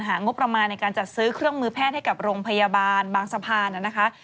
งบประมาณในการจัดซื้อเครื่องมือแพทย์ให้กับโรงพยาบาลบางสะพานนะคะ